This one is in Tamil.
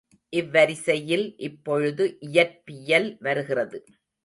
இவ்வரிசையில் இப்பொழுது இயற்பியல் வருகிறது.